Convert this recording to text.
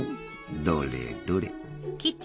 どれどれ？